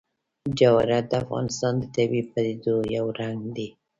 جواهرات د افغانستان د طبیعي پدیدو یو رنګ دی.